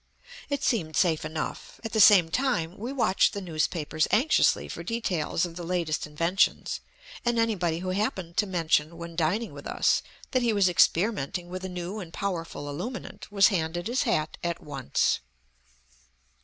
It seemed safe enough. At the same time we watched the newspapers anxiously for details of the latest inventions; and anybody who happened to mention when dining with us that he was experimenting with a new and powerful illuminant was handed his hat at once.